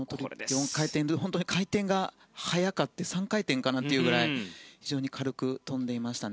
４回転ルッツは本当に回転が速くて３回転かなというぐらい非常に軽く跳んでいました。